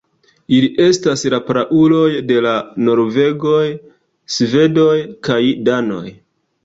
Ili estas la prauloj de la norvegoj, svedoj kaj danoj.